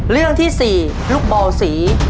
เรื่องที่๔ลูกบอลสี